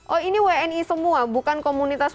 oh ini wni semua bukan komunitas